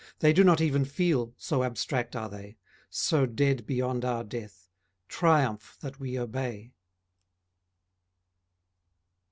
They do not even feel, so abstract are they, So dead beyond our death, Triumph that we obey.